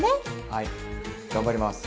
はい頑張ります！